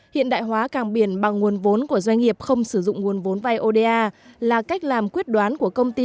hiện đại hóa càng biển bằng nguồn vốn của doanh nghiệp không sử dụng nguồn vốn vai oda là cách làm quyết đoán của công ty